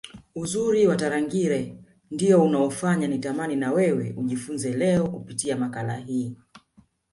Uzuri wa Tarangire ndio unaofanya nitamani na wewe ujifunze leo kupitia makala hii